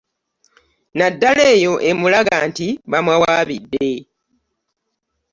Naddala eyo emulaga nti bamuwaabidde